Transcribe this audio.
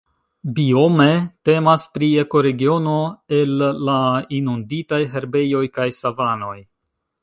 Biome temas pri ekoregiono el la inunditaj herbejoj kaj savanoj.